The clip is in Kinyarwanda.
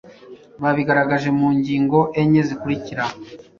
Babigaragaje mu ngingo enye zikurikira: